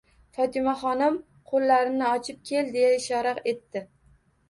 Fotimaxonim qo'llarini ochib, «kel» deya ishora etdi.